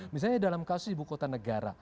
misalnya dalam kasus ibu kota negara